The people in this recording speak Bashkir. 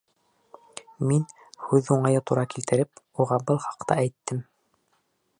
Мин, һүҙ уңайы тура килтереп, уға был хаҡта әйттем.